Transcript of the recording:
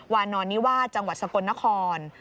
วานอนนิวาสจังหวัดสกลนคร